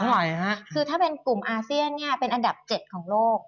คือถ้าเกี่ยวเป็นกลุ่มอาเซียนท์เนี่ยเป็นอันดับ๗ของโลก